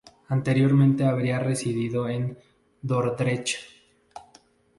Anteriormente había residido en Dordrecht.